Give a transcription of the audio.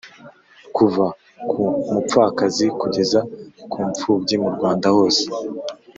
kuva ku mupfakazi kugeza ku mfubyi mu Rwanda hose